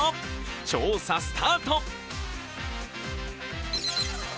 調査スタート。